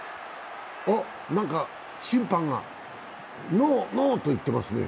あ、何か審判がノー、ノーと言ってますね。